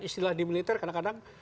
istilah di militer kadang kadang